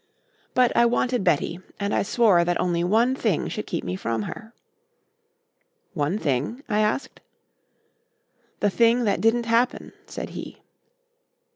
But I wanted Betty and I swore that only one thing should keep me from her." "One thing?" I asked. "The thing that didn't happen," said he.